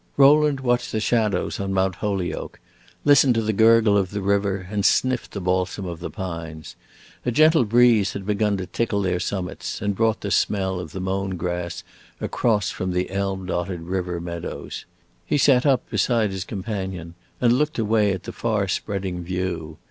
Rowland watched the shadows on Mount Holyoke, listened to the gurgle of the river, and sniffed the balsam of the pines. A gentle breeze had begun to tickle their summits, and brought the smell of the mown grass across from the elm dotted river meadows. He sat up beside his companion and looked away at the far spreading view.